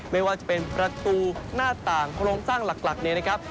ไม่ว่าจะเป็นประตูหน้าต่างโครงสร้างหลักเนี่ยนะครับ